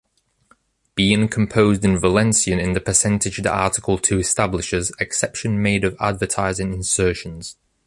Being composed in Valencian in the percentage that article two establishes, exception made of advertising insertions.